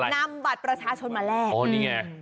นำบัตรประชาชนมาแลก